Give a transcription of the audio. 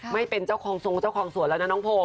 ไม่เป็นเจ้าของทรงเจ้าของสวนแล้วนะน้องโพ